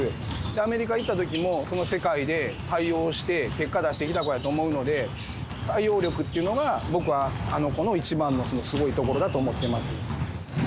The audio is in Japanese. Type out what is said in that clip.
アメリカ行ったときも、その世界で対応して、結果出してきた子やと思うので、対応力っていうのが、僕はあの子の一番のすごいところだと思ってます。